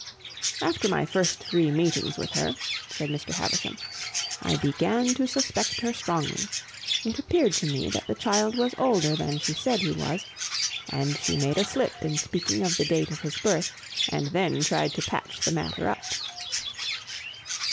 "After my first three meetings with her," said Mr. Havisham, "I began to suspect her strongly. It appeared to me that the child was older than she said he was, and she made a slip in speaking of the date of his birth and then tried to patch the matter up.